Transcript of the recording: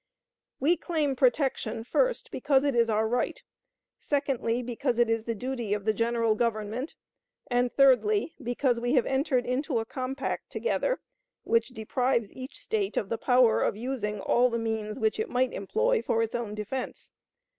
We claim protection, first, because it is our right; secondly, because it is the duty of the General Government; and, thirdly, because we have entered into a compact together, which deprives each State of the power of using all the means which it might employ for its own defense.